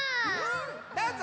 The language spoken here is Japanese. どうぞ！